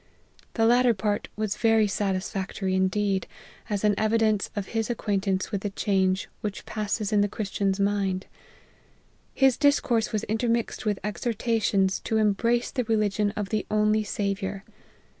The latter part was very satis factory indeed, as an evidence of his acquaintance with the change which passes in the Christian's mind. His discourse was intermixed with exhor tations to embrace the religion of the only Saviour.